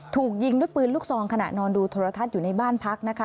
ถูกยิงด้วยปืนลูกซองขณะนอนดูโทรทัศน์อยู่ในบ้านพักนะคะ